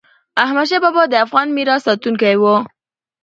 احمدشاه بابا د افغان میراث ساتونکی و.